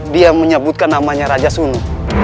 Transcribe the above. dia menyebutkan namanya raja sunu